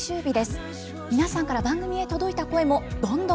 皆さんから番組へ届いた声もどんどん紹介していきます。